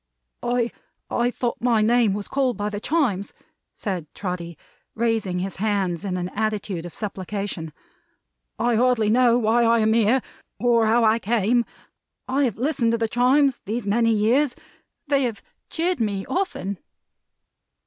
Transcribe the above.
"I thought my name was called by the Chimes!" said Trotty, raising his hands in an attitude of supplication. "I hardly know why I am here, or how I came. I have listened to the Chimes these many years. They have cheered me often."